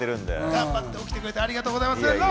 頑張って起きてくれてありがとうございます。